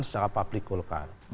secara publik golkar